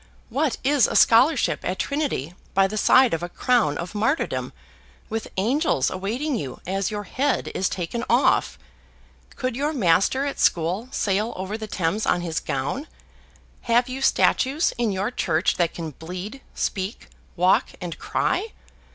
What is a scholarship at Trinity by the side of a crown of martyrdom, with angels awaiting you as your head is taken off? Could your master at school sail over the Thames on his gown? Have you statues in your church that can bleed, speak, walk, and cry?